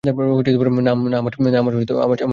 না আমার ছেলে মেয়েকে মেরোনা।